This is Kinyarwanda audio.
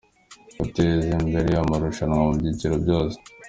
Guteza imbere amarushanwa mu byiciro byose.